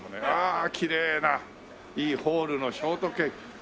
あきれいないいホールのショートケーキ。